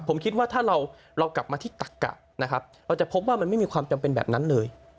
ผมคิดว่าถ้าเรากลับมาที่ตักกะนะครับเราจะพบว่ามันไม่มีความจำเป็นแบบนั้นเลย